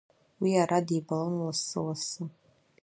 Уи ара дибалон лассы-лассы.